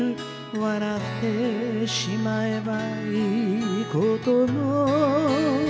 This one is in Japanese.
「笑ってしまえば良いことも」